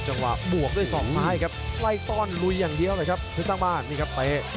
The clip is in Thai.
จังหวะบวกด้วยศอกซ้ายครับไล่ต้อนลุยอย่างเดียวเลยครับเพชรสร้างบ้านนี่ครับเตะ